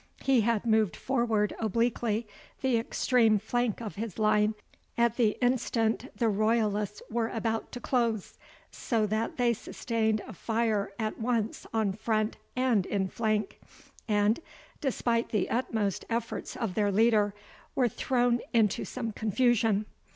He had moved forward obliquely the extreme flank of his line at the instant the Royalists were about to close, so that they sustained a fire at once on front and in flank, and, despite the utmost efforts of their leader, were thrown into some confusion.